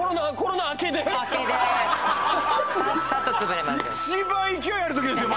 明けでさっさと潰れました一番勢いあるときですよ